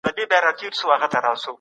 هغه په خپل کوڅې کي یوازي و.